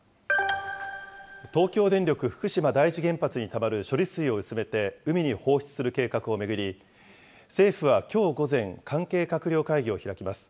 東京電力福島第一原発にたまる処理水を薄めて海に放出する計画を巡り、政府はきょう午前、関係閣僚会議を開きます。